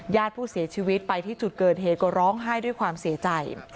ญาติผู้เสียชีวิตไปที่จุดเกิดเหตุก็ร้องไห้ด้วยความเสียใจ